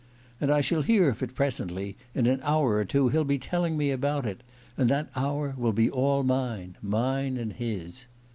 "And I shall hear of it presently; in an hour or two he'll be telling me about it. And that hour will be all mine mine and his!"